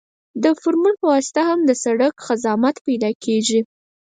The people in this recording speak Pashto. د فورمول په واسطه هم د سرک ضخامت پیدا کیږي